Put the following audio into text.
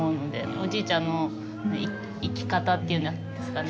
おじいちゃんの生き方っていうんですかね。